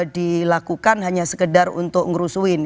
dilakukan hanya sekedar untuk ngerusuin